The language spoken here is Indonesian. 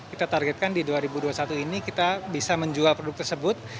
kita targetkan di dua ribu dua puluh satu ini kita bisa menjual produk tersebut